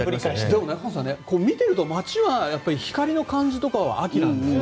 でも見てると街は光の感じとかは秋なんですよ。